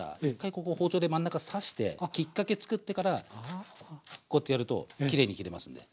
ここ包丁で真ん中刺してきっかけ作ってからこうやってやるときれいに切れますんで。